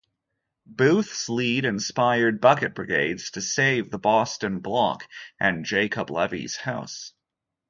Booth's lead inspired bucket brigades to save the Boston Block and Jacob Levy's house.